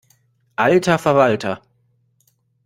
Alter Verwalter!